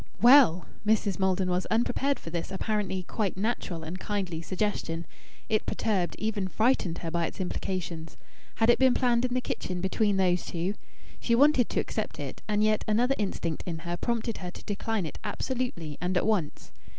"Well " Mrs. Maldon was unprepared for this apparently quite natural and kindly suggestion. It perturbed, even frightened her by its implications. Had it been planned in the kitchen between those two? She wanted to accept it; and yet another instinct in her prompted her to decline it absolutely and at once.